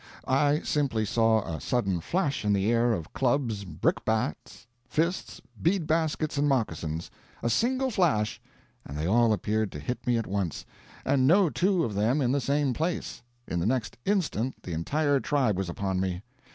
I simply saw a sudden flash in the air of clubs, brickbats, fists, bead baskets, and moccasins a single flash, and they all appeared to hit me at once, and no two of them in the same place. In the next instant the entire tribe was upon me.